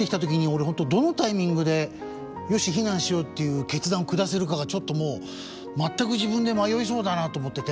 俺本当どのタイミングで「よし避難しよう！」っていう決断を下せるかがちょっともう全く自分で迷いそうだなと思ってて。